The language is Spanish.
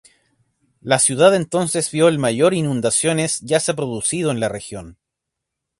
La ciudad entonces vio el mayor inundaciones ya se ha producido en la región.